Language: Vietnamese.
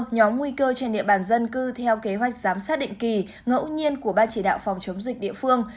nhóm nguy cơ trên địa bàn dân cư theo kế hoạch giám sát định kỳ ngẫu nhiên của ban chỉ đạo phòng chống dịch địa phương